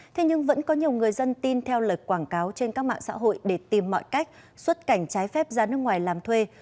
thế nhưng vẫn có nhiều người dân tin theo lời quảng cáo trên các mạng xã hội để tìm mọi cách xuất cảnh trái phép ra nước ngoài làm thuê